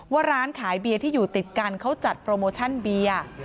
ว่าร้านขายเบียร์ที่อยู่ติดกันเขาจัดโปรโมชั่นเบียร์